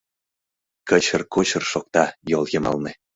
«Кычыр-кочыр шокта йол йымалне...»